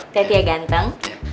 terti ya ganteng